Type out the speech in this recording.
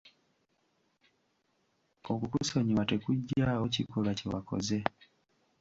Okukusonyiwa tekuggyaawo kikolwa kye wakoze.